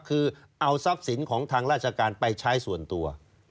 คือเอาทรัพย์สินของทางราชการไปใช้ส่วนตัว